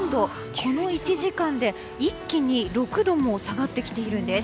この１時間で一気に６度も下がってきているんです。